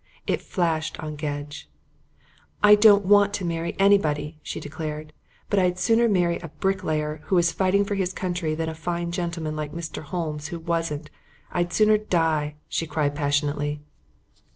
It flashed on Gedge. "I don't want to marry anybody," she declared. "But I'd sooner marry a bricklayer who was fighting for his country than a fine gentleman like Mr. Holmes who wasn't. I'd sooner die," she cried passionately.